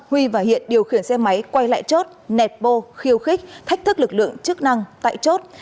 huy và hiện điều khiển xe máy quay lại chốt nẹp bô khiêu khích thách thức lực lượng chức năng tại chốt